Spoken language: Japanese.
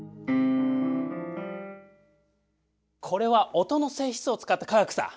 これは音のせいしつを使った科学さ！